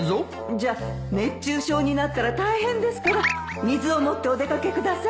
じゃあ熱中症になったら大変ですから水を持ってお出掛けください